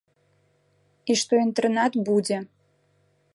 І што інтэрнат будзе.